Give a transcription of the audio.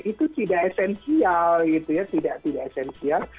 itu tidak esensial gitu ya tidak esensial